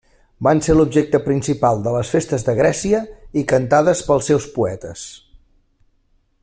Van ser l'objecte principal de les festes de Grècia i cantades pels seus poetes.